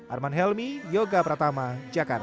arman helmi yoga pratama jakarta